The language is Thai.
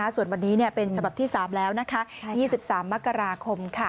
ส่วนวันนี้เป็นฉบับที่๓แล้ว๒๓มกราคม